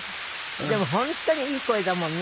でも本当にいい声だもんね。